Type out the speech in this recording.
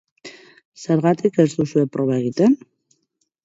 Zergatik ez duzue proba egiten?